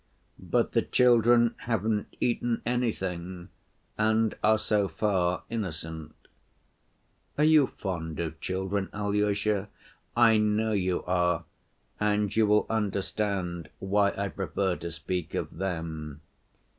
But the children haven't eaten anything, and are so far innocent. Are you fond of children, Alyosha? I know you are, and you will understand why I prefer to speak of them.